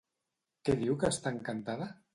Què diu que està encantada?